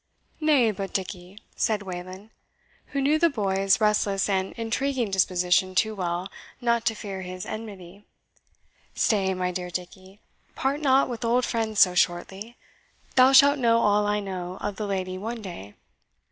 "Nay, but, Dickie," said Wayland, who knew the boy's restless and intriguing disposition too well not to fear his enmity "stay, my dear Dickie part not with old friends so shortly! Thou shalt know all I know of the lady one day."